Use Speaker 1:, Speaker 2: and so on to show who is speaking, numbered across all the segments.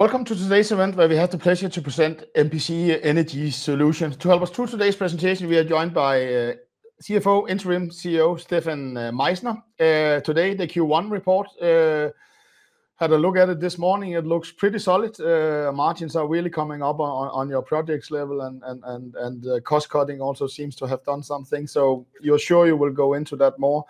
Speaker 1: Welcome to today's event, where we have the pleasure to present MPC Energy Solutions. To help us through today's presentation, we are joined by CFO and Interim CEO Stefan Meichsner. Today, the Q1 report. Had a look at it this morning. It looks pretty solid. Martins, are we really coming up on your projects level? And cost cutting also seems to have done something. You are sure you will go into that more.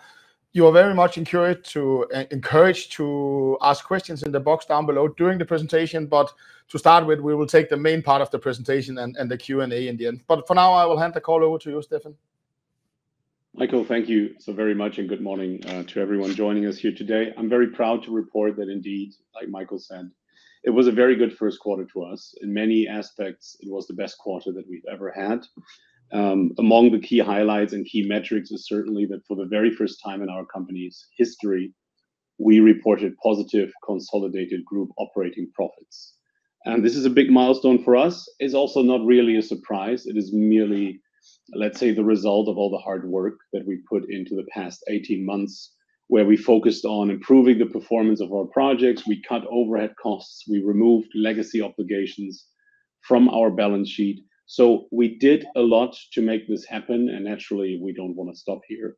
Speaker 1: You are very much encouraged to ask questions in the box down below during the presentation. To start with, we will take the main part of the presentation and the Q&A in the end. For now, I will hand the call over to you, Stefan.
Speaker 2: Michael, thank you so very much. Good morning to everyone joining us here today. I'm very proud to report that indeed, like Michael said, it was a very good first quarter to us. In many aspects, it was the best quarter that we've ever had. Among the key highlights and key metrics is certainly that for the very first time in our company's history, we reported positive consolidated group operating profits. This is a big milestone for us. It's also not really a surprise. It is merely, let's say, the result of all the hard work that we put into the past 18 months, where we focused on improving the performance of our projects. We cut overhead costs. We removed legacy obligations from our balance sheet. We did a lot to make this happen. Naturally, we don't want to stop here.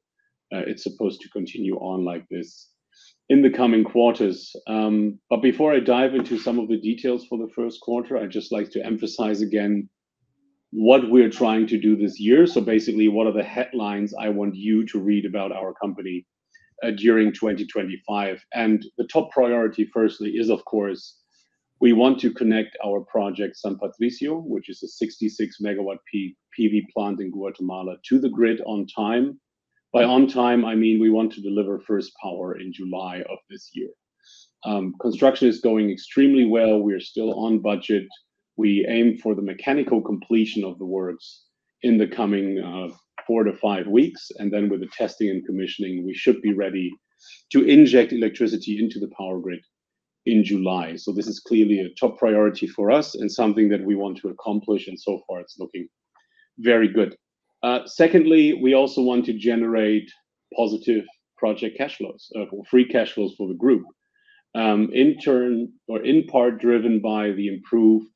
Speaker 2: It's supposed to continue on like this in the coming quarters. Before I dive into some of the details for the first quarter, I'd just like to emphasize again what we're trying to do this year. Basically, what are the headlines I want you to read about our company during 2025? The top priority, firstly, is, of course, we want to connect our project San Patricio, which is a 66 MWp PV plant in Guatemala, to the grid on time. By on time, I mean we want to deliver first power in July of this year. Construction is going extremely well. We are still on budget. We aim for the mechanical completion of the works in the coming four to five weeks. With the testing and commissioning, we should be ready to inject electricity into the power grid in July. This is clearly a top priority for us and something that we want to accomplish. So far, it's looking very good. Secondly, we also want to generate positive project cash flows, free cash flows for the group, in turn or in part driven by the improved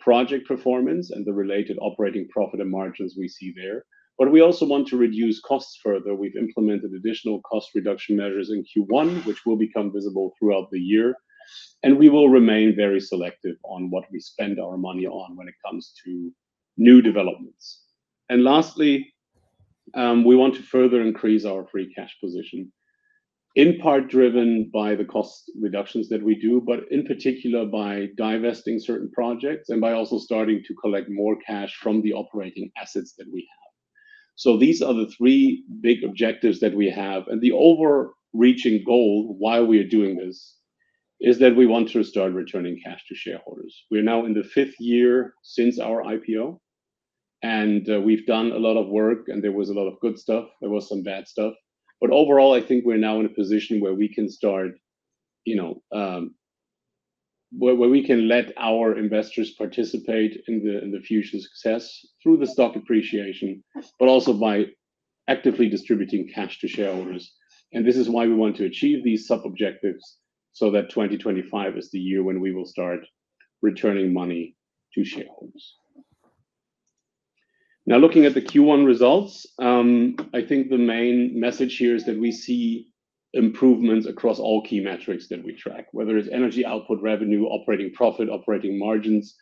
Speaker 2: project performance and the related operating profit and margins we see there. We also want to reduce costs further. We've implemented additional cost reduction measures in Q1, which will become visible throughout the year. We will remain very selective on what we spend our money on when it comes to new developments. Lastly, we want to further increase our free cash position, in part driven by the cost reductions that we do, but in particular by divesting certain projects and by also starting to collect more cash from the operating assets that we have. These are the three big objectives that we have. The overreaching goal while we are doing this is that we want to start returning cash to shareholders. We are now in the fifth year since our IPO. We've done a lot of work. There was a lot of good stuff. There was some bad stuff. Overall, I think we're now in a position where we can start, where we can let our investors participate in the future success through the stock appreciation, but also by actively distributing cash to shareholders. This is why we want to achieve these sub-objectives so that 2025 is the year when we will start returning money to shareholders. Now, looking at the Q1 results, I think the main message here is that we see improvements across all key metrics that we track, whether it's energy output, revenue, operating profit, operating margins.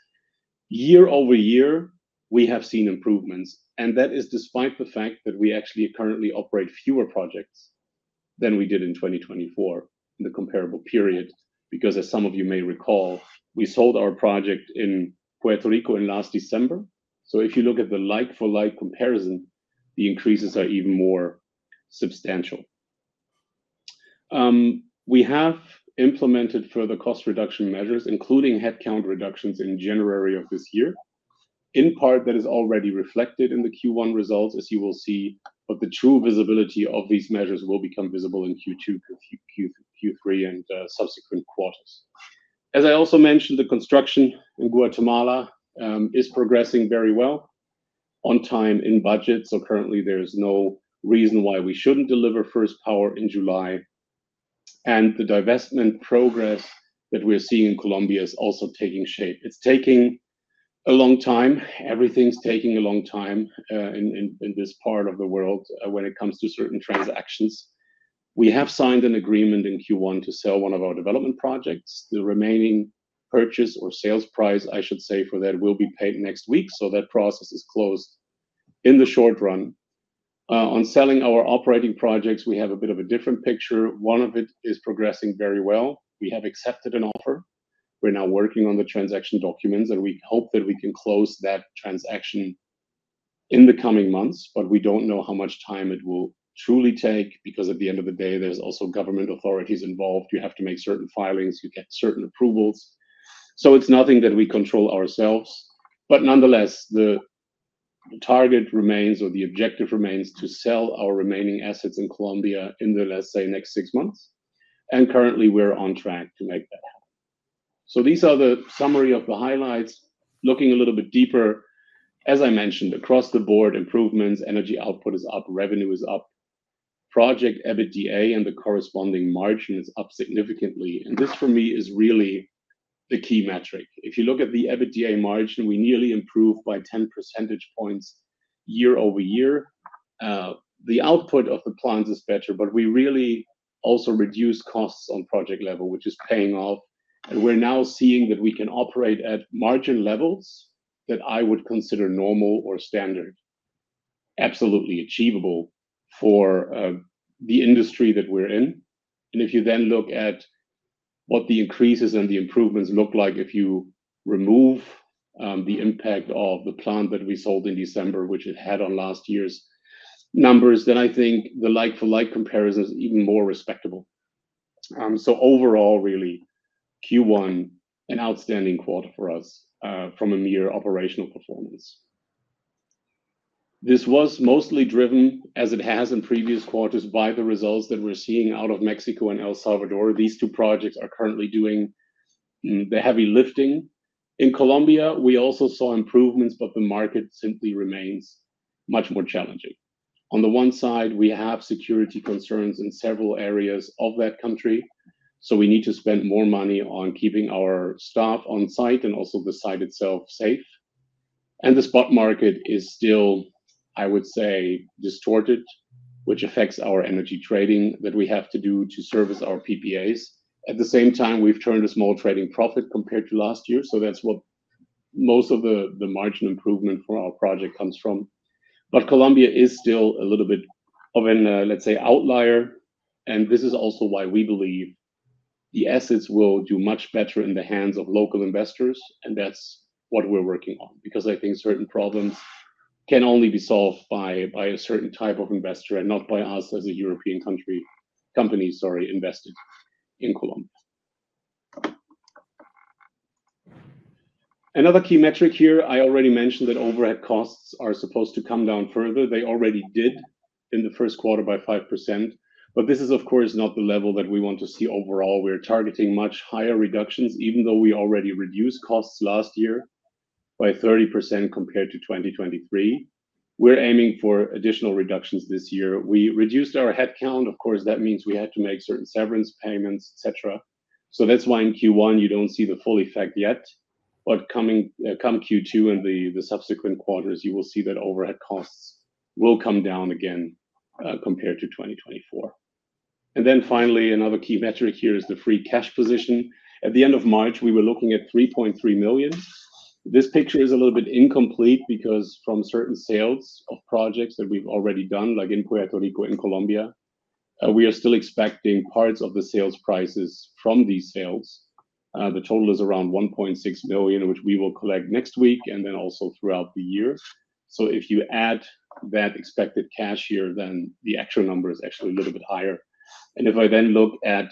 Speaker 2: Year-over-year, we have seen improvements. That is despite the fact that we actually currently operate fewer projects than we did in 2024 in the comparable period. As some of you may recall, we sold our project in Puerto Rico in last December. If you look at the like-for-like comparison, the increases are even more substantial. We have implemented further cost reduction measures, including headcount reductions in January of this year. In part, that is already reflected in the Q1 results, as you will see. The true visibility of these measures will become visible in Q2, Q3, and subsequent quarters. As I also mentioned, the construction in Guatemala is progressing very well, on time, in budget. Currently, there is no reason why we shouldn't deliver first power in July. The divestment progress that we are seeing in Colombia is also taking shape. It's taking a long time. Everything's taking a long time in this part of the world when it comes to certain transactions. We have signed an agreement in Q1 to sell one of our development projects. The remaining purchase or sales price, I should say, for that will be paid next week. That process is closed in the short run. On selling our operating projects, we have a bit of a different picture. One of it is progressing very well. We have accepted an offer. We're now working on the transaction documents. We hope that we can close that transaction in the coming months. We do not know how much time it will truly take because at the end of the day, there are also government authorities involved. You have to make certain filings. You get certain approvals. It is nothing that we control ourselves. Nonetheless, the target remains or the objective remains to sell our remaining assets in Colombia in the, let's say, next six months. Currently, we are on track to make that happen. These are the summary of the highlights. Looking a little bit deeper, as I mentioned, across the board, improvements. Energy output is up. Revenue is up. Project EBITDA and the corresponding margin is up significantly. This, for me, is really the key metric. If you look at the EBITDA margin, we nearly improved by 10% points year-over-year. The output of the plants is better. We really also reduced costs on project level, which is paying off. We are now seeing that we can operate at margin levels that I would consider normal or standard, absolutely achievable for the industry that we are in. If you then look at what the increases and the improvements look like, if you remove the impact of the plant that we sold in December, which it had on last year's numbers, I think the like-for-like comparison is even more respectable. Overall, really, Q1, an outstanding quarter for us from a mere operational performance. This was mostly driven, as it has in previous quarters, by the results that we are seeing out of Mexico and El Salvador. These two projects are currently doing the heavy lifting. In Colombia, we also saw improvements. The market simply remains much more challenging. On the one side, we have security concerns in several areas of that country. We need to spend more money on keeping our staff on site and also the site itself safe. The spot market is still, I would say, distorted, which affects our energy trading that we have to do to service our PPAs. At the same time, we've turned a small trading profit compared to last year. That's what most of the margin improvement for our project comes from. Colombia is still a little bit of an, let's say, outlier. This is also why we believe the assets will do much better in the hands of local investors. That's what we're working on. I think certain problems can only be solved by a certain type of investor and not by us as a European company invested in Colombia. Another key metric here, I already mentioned that overhead costs are supposed to come down further. They already did in the first quarter by 5%. This is, of course, not the level that we want to see overall. We're targeting much higher reductions, even though we already reduced costs last year by 30% compared to 2023. We're aiming for additional reductions this year. We reduced our headcount. Of course, that means we had to make certain severance payments, et cetera. That's why in Q1, you don't see the full effect yet. Come Q2 and the subsequent quarters, you will see that overhead costs will come down again compared to 2024. Finally, another key metric here is the free cash position. At the end of March, we were looking at $3.3 million. This picture is a little bit incomplete because from certain sales of projects that we've already done, like in Puerto Rico and Colombia, we are still expecting parts of the sales prices from these sales. The total is around $1.6 million, which we will collect next week and then also throughout the year. If you add that expected cash here, then the actual number is actually a little bit higher. If I then look at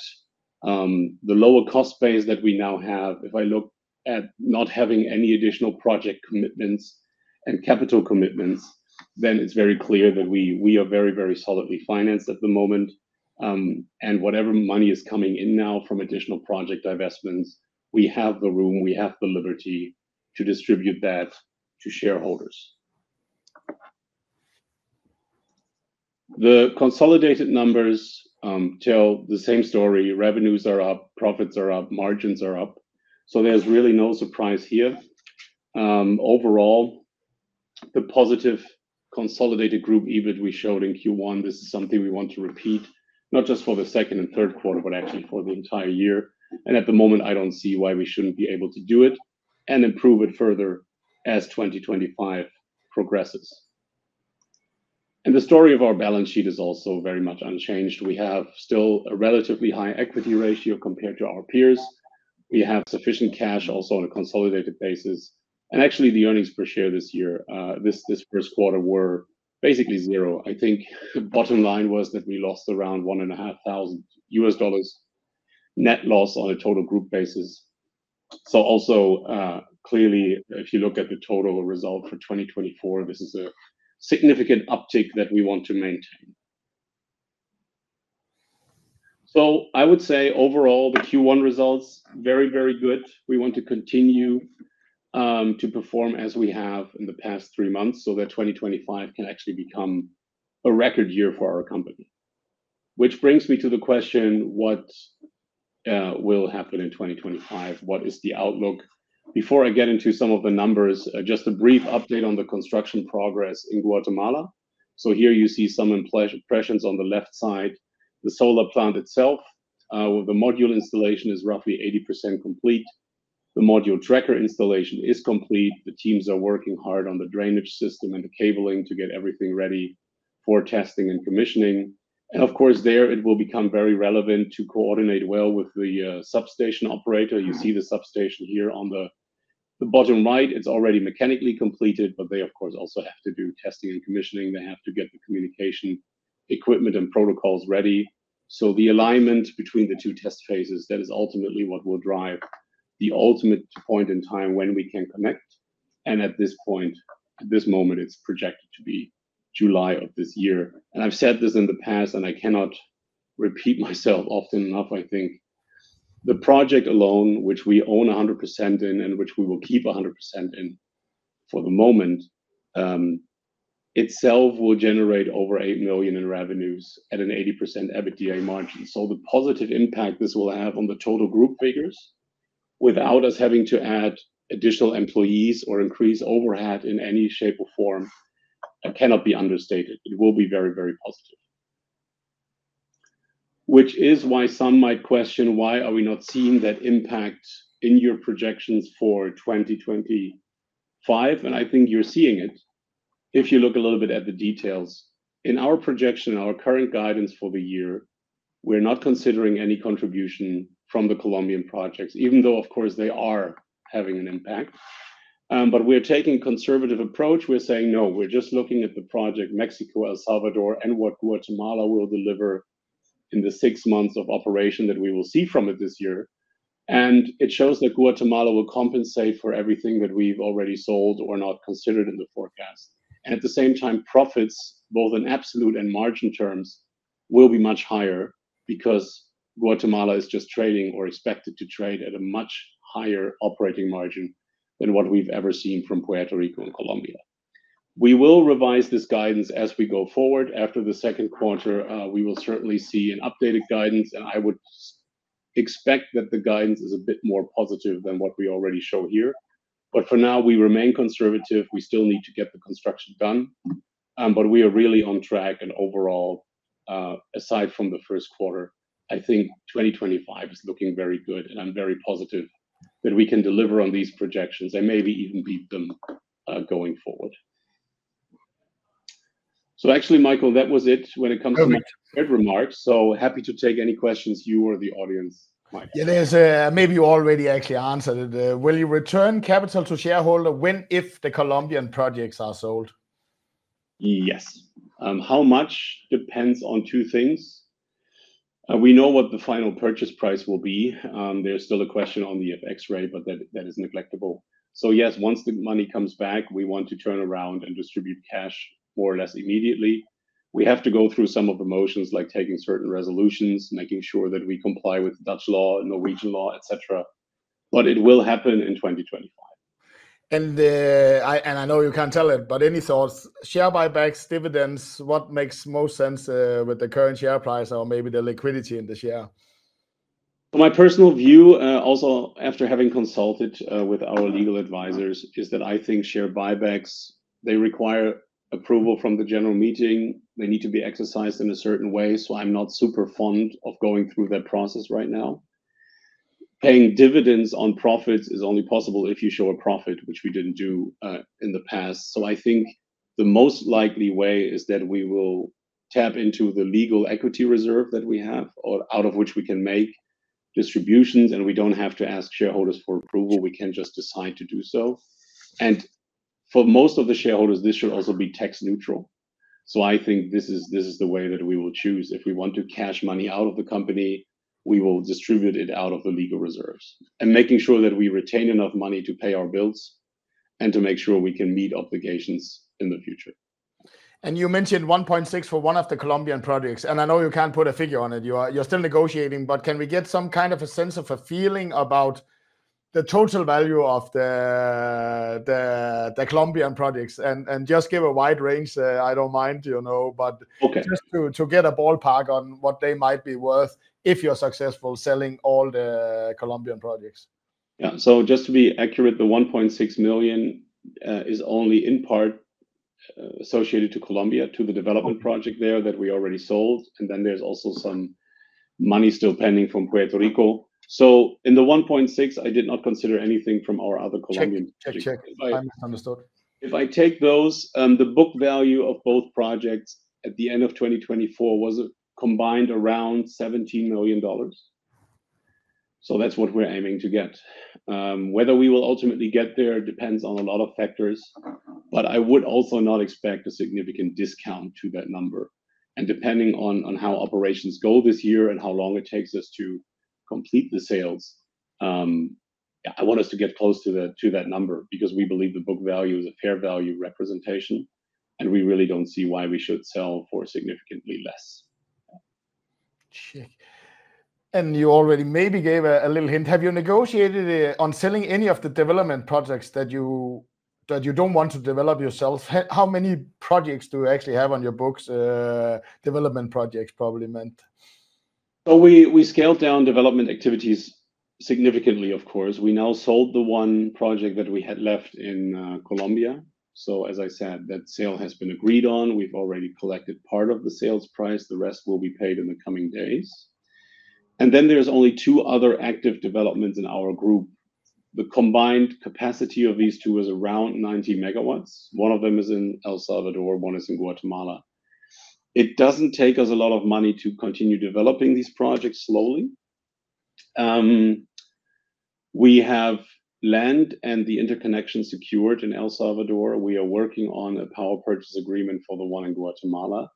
Speaker 2: the lower cost base that we now have, if I look at not having any additional project commitments and capital commitments, it is very clear that we are very, very solidly financed at the moment. Whatever money is coming in now from additional project divestments, we have the room. We have the liberty to distribute that to shareholders. The consolidated numbers tell the same story. Revenues are up. Profits are up. Margins are up. There is really no surprise here. Overall, the positive consolidated group EBIT we showed in Q1, this is something we want to repeat, not just for the second and third quarter, but actually for the entire year. At the moment, I do not see why we should not be able to do it and improve it further as 2025 progresses. The story of our balance sheet is also very much unchanged. We have still a relatively high equity ratio compared to our peers. We have sufficient cash also on a consolidated basis. Actually, the earnings per share this year, this first quarter, were basically zero. I think the bottom line was that we lost around $1,500 net loss on a total group basis. Also, clearly, if you look at the total result for 2024, this is a significant uptick that we want to maintain. I would say overall, the Q1 results are very, very good. We want to continue to perform as we have in the past three months so that 2025 can actually become a record year for our company. Which brings me to the question, what will happen in 2025? What is the outlook? Before I get into some of the numbers, just a brief update on the construction progress in Guatemala. Here you see some impressions on the left side. The solar plant itself, the module installation is roughly 80% complete. The module tracker installation is complete. The teams are working hard on the drainage system and the cabling to get everything ready for testing and commissioning. Of course, there it will become very relevant to coordinate well with the substation operator. You see the substation here on the bottom right. It is already mechanically completed. They, of course, also have to do testing and commissioning. They have to get the communication equipment and protocols ready. The alignment between the two test phases is ultimately what will drive the ultimate point in time when we can connect. At this point, at this moment, it is projected to be July of this year. I have said this in the past, and I cannot repeat myself often enough, I think. The project alone, which we own 100% in and which we will keep 100% in for the moment, itself will generate over $8 million in revenues at an 80% EBITDA margin. The positive impact this will have on the total group figures without us having to add additional employees or increase overhead in any shape or form cannot be understated. It will be very, very positive. Which is why some might question, why are we not seeing that impact in your projections for 2025? I think you're seeing it if you look a little bit at the details. In our projection, our current guidance for the year, we're not considering any contribution from the Colombian projects, even though, of course, they are having an impact. We're taking a conservative approach. We're saying, no, we're just looking at the project Mexico, El Salvador, and what Guatemala will deliver in the six months of operation that we will see from it this year. It shows that Guatemala will compensate for everything that we've already sold or not considered in the forecast. At the same time, profits, both in absolute and margin terms, will be much higher because Guatemala is just trading or expected to trade at a much higher operating margin than what we've ever seen from Puerto Rico and Colombia. We will revise this guidance as we go forward. After the second quarter, we will certainly see an updated guidance. I would expect that the guidance is a bit more positive than what we already show here. For now, we remain conservative. We still need to get the construction done. We are really on track. Overall, aside from the first quarter, I think 2025 is looking very good. I am very positive that we can deliver on these projections and maybe even beat them going forward. Actually, Michael, that was it when it comes to my third remark. Happy to take any questions you or the audience might have. Yeah, maybe you already actually answered it. Will you return capital to shareholder when, if the Colombian projects are sold? Yes. How much depends on two things. We know what the final purchase price will be. There's still a question on the FX rate, but that is neglected. Yes, once the money comes back, we want to turn around and distribute cash more or less immediately. We have to go through some of the motions, like taking certain resolutions, making sure that we comply with Dutch law, Norwegian law, et cetera. It will happen in 2025. I know you can't tell it, but any thoughts? Share buybacks, dividends, what makes most sense with the current share price or maybe the liquidity in the share? My personal view, also after having consulted with our legal advisors, is that I think share buybacks, they require approval from the general meeting. They need to be exercised in a certain way. I am not super fond of going through that process right now. Paying dividends on profits is only possible if you show a profit, which we did not do in the past. I think the most likely way is that we will tap into the legal equity reserve that we have, out of which we can make distributions. We do not have to ask shareholders for approval. We can just decide to do so. For most of the shareholders, this should also be tax neutral. I think this is the way that we will choose. If we want to cash money out of the company, we will distribute it out of the legal reserves and making sure that we retain enough money to pay our bills and to make sure we can meet obligations in the future. You mentioned $1.6 million for one of the Colombian projects. I know you can't put a figure on it. You're still negotiating. Can we get some kind of a sense of a feeling about the total value of the Colombian projects? Just give a wide range. I don't mind. Just to get a ballpark on what they might be worth if you're successful selling all the Colombian projects. Yeah. Just to be accurate, the $1.6 million is only in part associated to Colombia, to the development project there that we already sold. There is also some money still pending from Puerto Rico. In the $1.6 million, I did not consider anything from our other Colombian projects. If I take those, the book value of both projects at the end of 2024 was combined around $17 million. That is what we are aiming to get. Whether we will ultimately get there depends on a lot of factors. I would also not expect a significant discount to that number. Depending on how operations go this year and how long it takes us to complete the sales, I want us to get close to that number because we believe the book value is a fair value representation. We really do not see why we should sell for significantly less. You already maybe gave a little hint. Have you negotiated on selling any of the development projects that you do not want to develop yourself? How many projects do you actually have on your books? Development projects probably meant. We scaled down development activities significantly, of course. We now sold the one project that we had left in Colombia. As I said, that sale has been agreed on. We've already collected part of the sales price. The rest will be paid in the coming days. There are only two other active developments in our group. The combined capacity of these two is around 90 MW. One of them is in El Salvador. One is in Guatemala. It doesn't take us a lot of money to continue developing these projects slowly. We have land and the interconnection secured in El Salvador. We are working on a power purchase agreement for the one in Guatemala.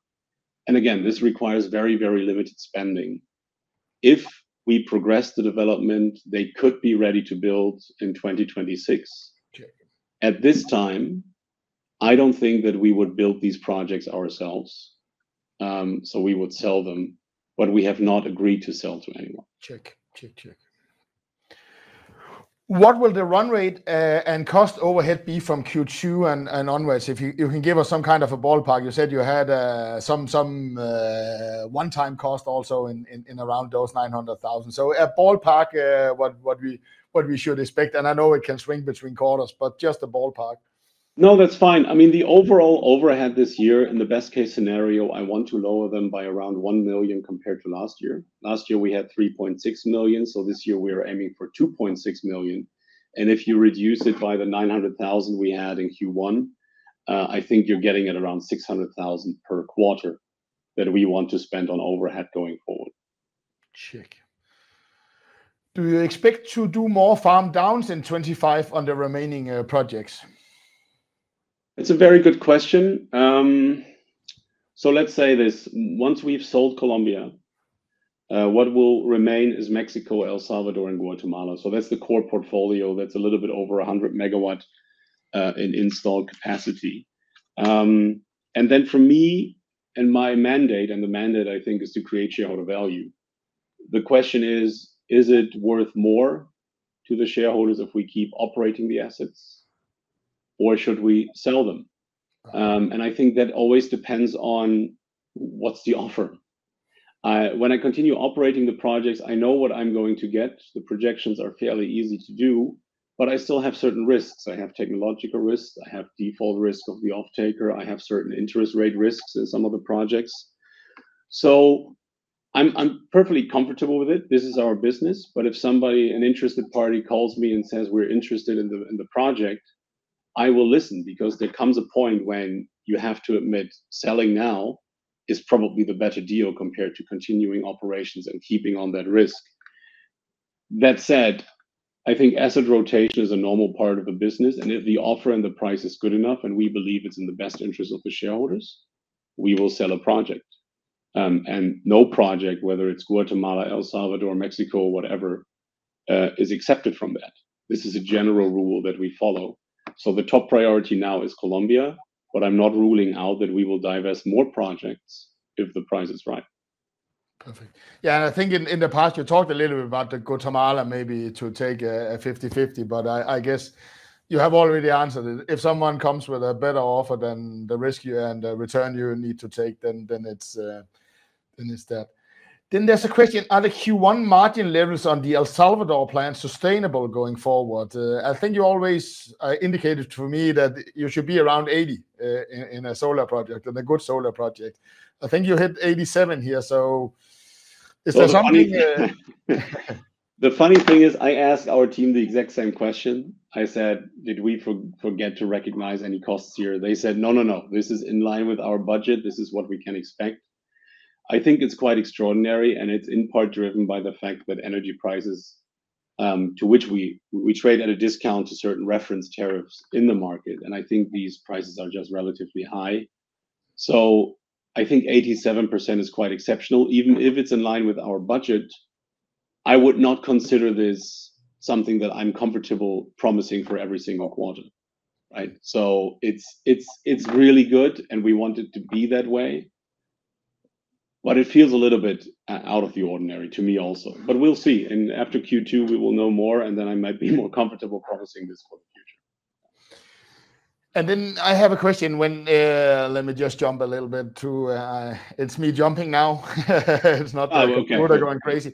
Speaker 2: Again, this requires very, very limited spending. If we progress the development, they could be ready to build in 2026. At this time, I don't think that we would build these projects ourselves. We would sell them. We have not agreed to sell to anyone. What will the run rate and cost overhead be from Q2 and onwards? If you can give us some kind of a ballpark, you said you had some one-time cost also in around those $900,000. A ballpark, what we should expect. I know it can swing between quarters, but just a ballpark. No, that's fine. I mean, the overall overhead this year, in the best case scenario, I want to lower them by around $1 million compared to last year. Last year, we had $3.6 million. This year, we are aiming for $2.6 million. If you reduce it by the $900,000 we had in Q1, I think you're getting at around $600,000 per quarter that we want to spend on overhead going forward. Do you expect to do more farm downs in 2025 on the remaining projects? It's a very good question. Let's say this. Once we've sold Colombia, what will remain is Mexico, El Salvador, and Guatemala. That's the core portfolio. That's a little bit over 100 MW in install capacity. For me and my mandate, and the mandate, I think, is to create shareholder value. The question is, is it worth more to the shareholders if we keep operating the assets? Or should we sell them? I think that always depends on what's the offer. When I continue operating the projects, I know what I'm going to get. The projections are fairly easy to do. I still have certain risks. I have technological risks. I have default risk of the off-taker. I have certain interest rate risks in some of the projects. I am perfectly comfortable with it. This is our business. If somebody, an interested party, calls me and says, we're interested in the project, I will listen because there comes a point when you have to admit selling now is probably the better deal compared to continuing operations and keeping on that risk. That said, I think asset rotation is a normal part of a business. If the offer and the price is good enough and we believe it's in the best interest of the shareholders, we will sell a project. No project, whether it's Guatemala, El Salvador, Mexico, or whatever, is excepted from that. This is a general rule that we follow. The top priority now is Colombia. I'm not ruling out that we will divest more projects if the price is right. Perfect. Yeah. I think in the past, you talked a little bit about the Guatemala, maybe to take a 50/50. I guess you have already answered it. If someone comes with a better offer than the risk you and the return you need to take, then it's that. There's a question. Are the Q1 margin levels on the El Salvador plan sustainable going forward? I think you always indicated for me that you should be around 80% in a solar project, in a good solar project. I think you hit 87% here. Is there something? The funny thing is I asked our team the exact same question. I said, did we forget to recognize any costs here? They said, no, no, no. This is in line with our budget. This is what we can expect. I think it's quite extraordinary. It's in part driven by the fact that energy prices, to which we trade at a discount to certain reference tariffs in the market. I think these prices are just relatively high. I think 87% is quite exceptional. Even if it's in line with our budget, I would not consider this something that I'm comfortable promising for every single quarter. It's really good. We want it to be that way. It feels a little bit out of the ordinary to me also. We'll see. After Q2, we will know more. I might be more comfortable promising this for the future. I have a question. Let me just jump a little bit too. It's me jumping now. It's not that I'm going crazy.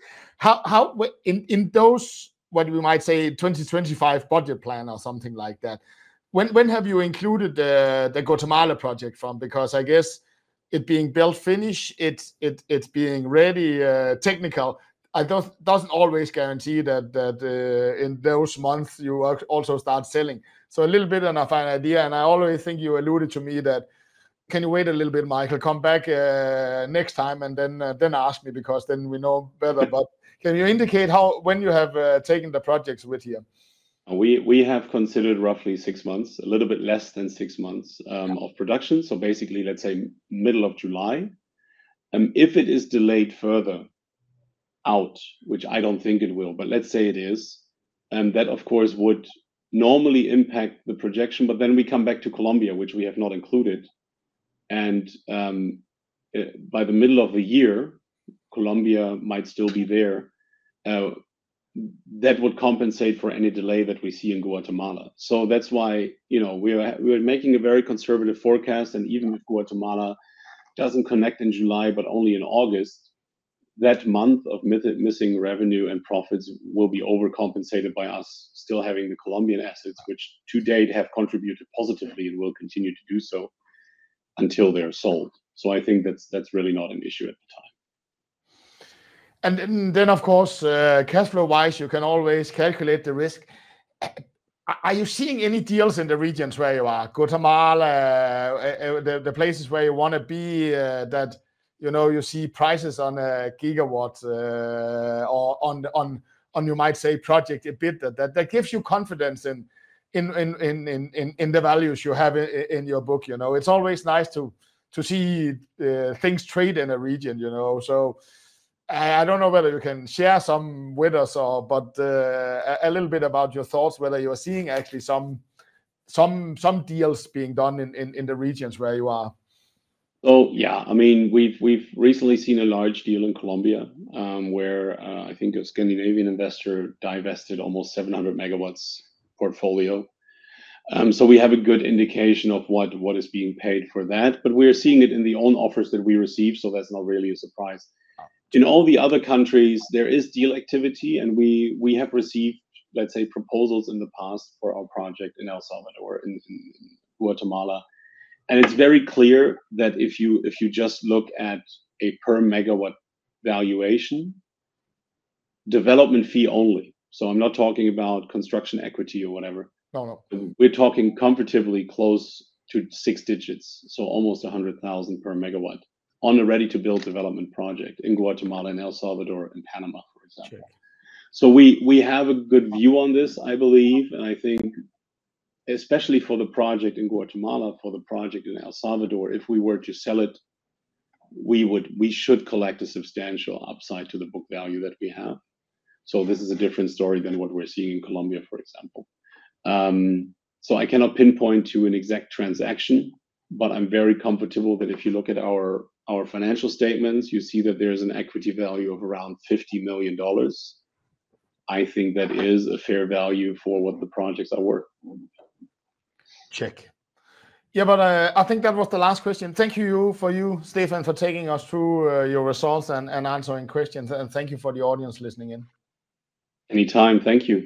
Speaker 2: In those, what we might say, 2025 budget plan or something like that, when have you included the Guatemala project from? Because I guess it being built finished, it's being ready technical, doesn't always guarantee that in those months you also start selling. A little bit on a fine idea. I always think you alluded to me that can you wait a little bit, Michael, come back next time and then ask me because then we know better. Can you indicate when you have taken the projects with you? We have considered roughly six months, a little bit less than six months of production. Basically, let's say middle of July. If it is delayed further out, which I don't think it will, but let's say it is, that, of course, would normally impact the projection. Then we come back to Colombia, which we have not included. By the middle of the year, Colombia might still be there. That would compensate for any delay that we see in Guatemala. That is why we are making a very conservative forecast. Even if Guatemala does not connect in July, but only in August, that month of missing revenue and profits will be overcompensated by us still having the Colombian assets, which to date have contributed positively and will continue to do so until they are sold. I think that is really not an issue at the time. Of course, cash flow-wise, you can always calculate the risk. Are you seeing any deals in the regions where you are, Guatemala, the places where you want to be that you see prices on a gigawatt or on, you might say, project a bit that gives you confidence in the values you have in your book? It's always nice to see things trade in a region. I don't know whether you can share some with us, but a little bit about your thoughts, whether you are seeing actually some deals being done in the regions where you are. Oh, yeah. I mean, we've recently seen a large deal in Colombia where I think a Scandinavian investor divested almost 700 MW portfolio. We have a good indication of what is being paid for that. We are seeing it in the own offers that we receive. That's not really a surprise. In all the other countries, there is deal activity. We have received, let's say, proposals in the past for our project in El Salvador, Guatemala. It is very clear that if you just look at a per megawatt valuation, development fee only. I am not talking about construction equity or whatever. We are talking comparatively close to six digits, so almost $100,000 per megawatt on a ready-to-build development project in Guatemala and El Salvador and Panama, for example. We have a good view on this, I believe. I think, especially for the project in Guatemala, for the project in El Salvador, if we were to sell it, we should collect a substantial upside to the book value that we have. This is a different story than what we are seeing in Colombia, for example. I cannot pinpoint to an exact transaction. I'm very comfortable that if you look at our financial statements, you see that there is an equity value of around $50 million. I think that is a fair value for what the projects are worth. Check. Yeah. I think that was the last question. Thank you for you, Stefan, for taking us through your results and answering questions. Thank you for the audience listening in. Any time. Thank you.